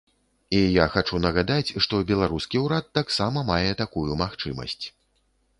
І я хачу нагадаць, што беларускі ўрад таксама мае такую магчымасць.